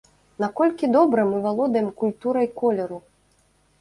Наколькі добра мы валодаем культурай колеру?